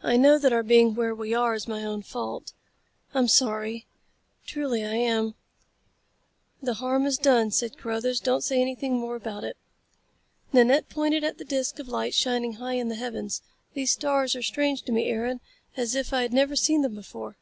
I know that our being where we are is my own fault. I'm sorry. Truly I am." "The harm is done," said Carruthers. "Don't say anything more about it." Nanette pointed at the disc of light shining high in the heavens. "These stars are as strange to me, Aaron, as if I had never seen them before.